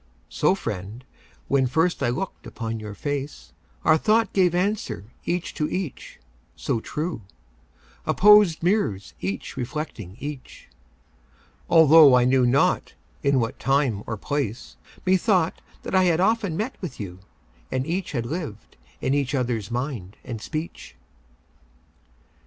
So, friend, when first I look'd upon your face, Our thought gave answer each to each, so true— Opposed mirrors each reflecting each— Altho' I knew not in what time or place, Methought that I had often met with you, And each had lived in the other's mind and speech.